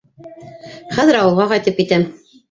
Хәҙер ауылға ҡайтып китәм.